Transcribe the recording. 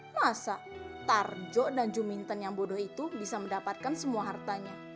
masa tarjo dan jumintan yang bodoh itu bisa mendapatkan semua hartanya